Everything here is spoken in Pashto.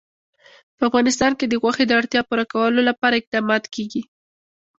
په افغانستان کې د غوښې د اړتیاوو پوره کولو لپاره اقدامات کېږي.